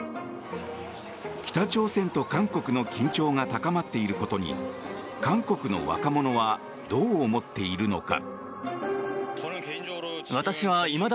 北朝鮮と韓国の緊張が高まっていることに韓国の若者はどう思っているのか。